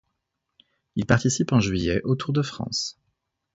Il participe en juillet au Tour de France.